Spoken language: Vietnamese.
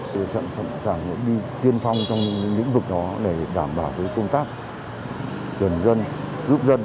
chúng tôi sẵn sàng đi tiên phong trong những vực đó để đảm bảo công tác tuyển dân giúp dân